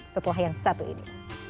setelah yang satu ini